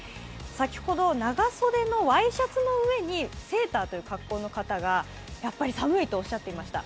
先ほど長袖のワイシャツの上にセーターという格好の方が寒いとおっしゃっていました。